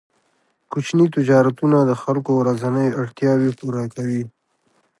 کوچني تجارتونه د خلکو ورځنۍ اړتیاوې پوره کوي.